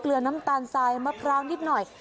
น้ำตาลทรายมะพร้าวนิดหน่อย